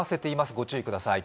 ご注意ください。